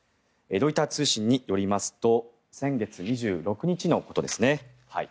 ロイター通信によりますと先月２６日のことですね。